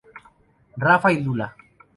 Rafa y Lula.